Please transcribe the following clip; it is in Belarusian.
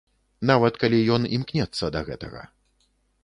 Нават калі ён імкнецца да гэтага.